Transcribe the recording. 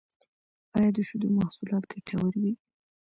ایا د شیدو محصولات ګټور وی؟